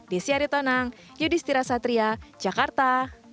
di syari tonang yudhistira satria jakarta